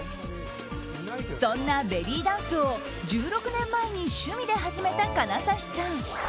そんなベリーダンスを１６年前に趣味で始めた金指さん。